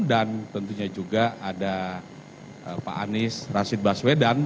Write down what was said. dan tentunya juga ada pak anies rashid baswedan